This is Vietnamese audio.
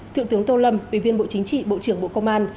thượng tướng tô lâm ủy viên bộ chính trị bộ trưởng bộ công an